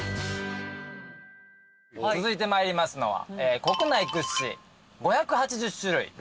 続いて参りますのは。